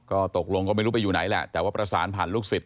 ก็ตกลงก็ไม่รู้ไปอยู่ไหนแหละแต่ว่าประสานผ่านลูกศิษย